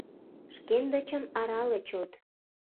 «Шкендычым арале чот